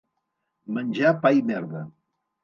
Menjar pa i merda.